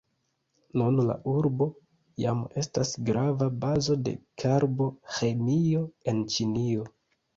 Nun la urbo jam estas grava bazo de Karbo-ĥemio en Ĉinio.